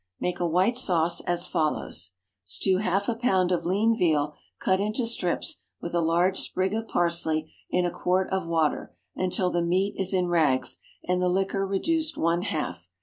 Make a white sauce as follows: Stew half a pound of lean veal, cut into strips, with a large sprig of parsley, in a quart of water, until the meat is in rags, and the liquor reduced one half.